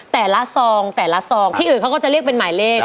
ซองแต่ละซองที่อื่นเขาก็จะเรียกเป็นหมายเลข